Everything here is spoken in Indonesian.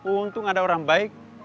untung ada orang baik